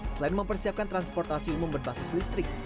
selain mempersiapkan transportasi umum berbasis listrik